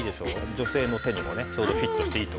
女性の手にもねちょうどフィットしていいと思いますね。